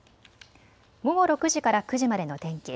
午後６時から９時までの天気。